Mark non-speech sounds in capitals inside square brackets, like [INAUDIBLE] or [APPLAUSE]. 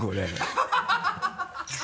ハハハ [LAUGHS]